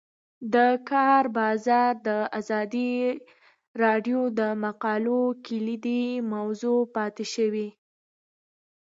د کار بازار د ازادي راډیو د مقالو کلیدي موضوع پاتې شوی.